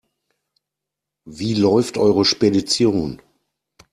Wie läuft eure Spedition?